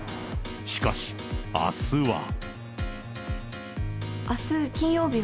しかし、明日は。